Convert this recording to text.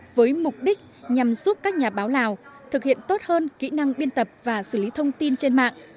với mục đích nhằm giúp các nhà báo lào thực hiện tốt hơn kỹ năng biên tập và xử lý thông tin trên mạng